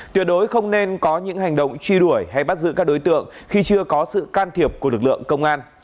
tuyệt đối không nên có những hành động truy đuổi hay bắt giữ các đối tượng khi chưa có sự can thiệp của lực lượng công an